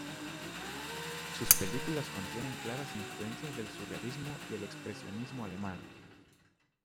Sus películas contienen claras influencias del surrealismo y el expresionismo alemán.